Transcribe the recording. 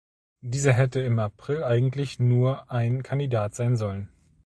Dieser hätte im April eigentlich nur ein Kandidat sein sollen.